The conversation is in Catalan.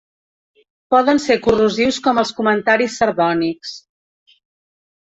Poden ser corrosius com els comentaris sardònics.